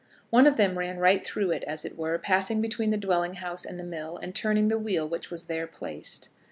One of them ran right through it, as it were, passing between the dwelling house and the mill, and turning the wheel, which was there placed.